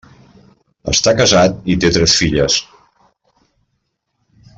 Està casat i té tres filles.